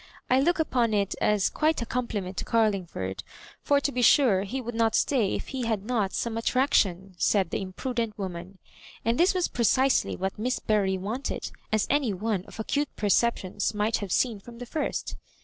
I look upon it as quite a compliment to Carlingford ; for to be sure he would not stay if he had not some attraction," said the imprudent woman. And this was precisely what Miss Bury wanted, as any one of acute perceptions might have seen fi*om the first.